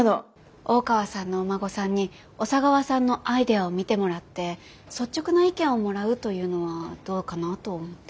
大川さんのお孫さんに小佐川さんのアイデアを見てもらって率直な意見をもらうというのはどうかなと思って。